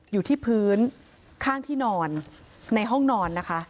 อยู่ที่พื้นข้างที่นอนในห้องนอนนะคะ